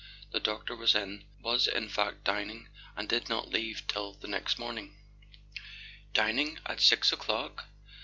—the doctor was in, was in fact dining, and did not leave till the next morning. "Dining—at six o'clock?"